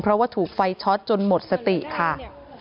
เพราะว่าถูกไฟช็อตจนหมดสติค่ะ